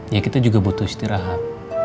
ya kita juga butuh istirahat